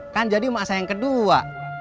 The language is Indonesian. kan jadi emak saya yang kedua